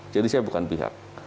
jadi saya bukan pihak